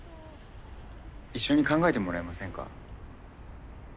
一緒に考えてもらえませんか？